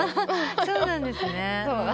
そうなんですね。